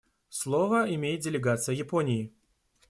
Слово имеет делегация Японии.